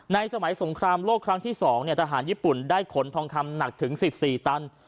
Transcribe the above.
สมัยสงครามโลกครั้งที่๒ทหารญี่ปุ่นได้ขนทองคำหนักถึง๑๔ตัน